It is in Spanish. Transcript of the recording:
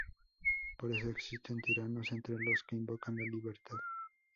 Por eso existen tiranos entre los que invocan la libertad..."